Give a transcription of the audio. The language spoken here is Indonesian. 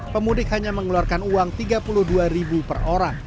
pemudik hanya mengeluarkan uang rp tiga puluh dua per orang